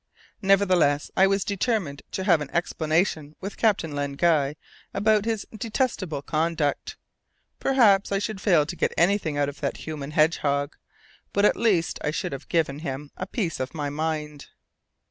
Nevertheless I was determined to have an explanation with Captain Len Guy about his detestable conduct. Perhaps I should fail to get anything out of that human hedgehog, but at least I should have given him a piece of my mind.